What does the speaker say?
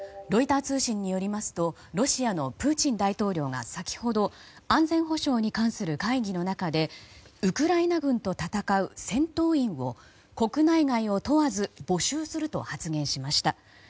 ロイター通信によりますとロシアのプーチン大統領が先ほど安全保障に関する会議の中でウクライナ軍と戦う戦闘員を国内外を問わず募集すると発言しました。